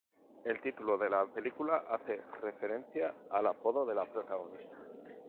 El título de la película hace referencia al apodo de la protagonista.